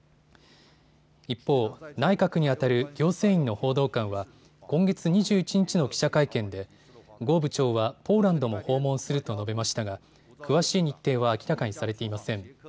一方、内閣にあたる行政院の報道官は今月２１日の記者会見で呉部長はポーランドも訪問すると述べましたが詳しい日程は明らかにされていません。